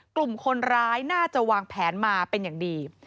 กลุ่มคนร้ายน่าจะวางแผนมาเป็นอย่างดี